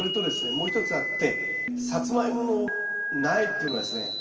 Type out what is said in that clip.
もう一つあってサツマイモの苗っていうのはですね